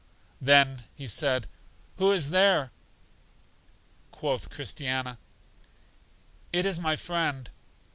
Then He said, Who is there? Quoth Christiana: It is my friend.